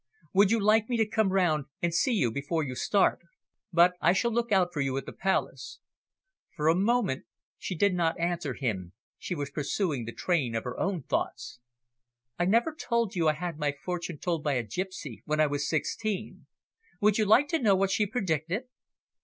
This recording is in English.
Would you like me to come round and see you before you start? But I shall look out for you at the Palace." For a moment she did not answer him, she was pursuing the train of her own thoughts. "I never told you I had my fortune told by a gipsy when I was sixteen. Would you like to know what she predicted?"